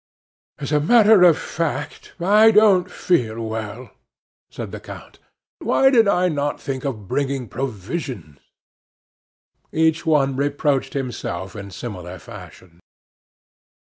"As a matter of fact, I don't feel well," said the count. "Why did I not think of bringing provisions?" Each one reproached himself in similar fashion.